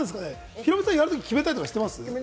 ヒロミさん、決めたりしてますか？